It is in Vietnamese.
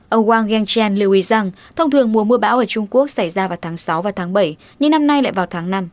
ông wang yen chen lưu ý rằng thông thường mùa mưa bão ở trung quốc xảy ra vào tháng sáu và tháng bảy nhưng năm nay lại vào tháng năm